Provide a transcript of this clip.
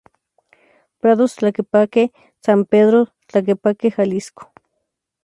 Prados Tlaquepaque, San Pedro Tlaquepaque Jalisco.